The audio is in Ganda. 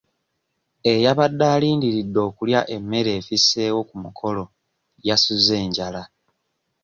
Eyabadde alindiridde okulya emmere efisseewo ku mukolo yasuze njala.